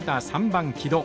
３番木戸。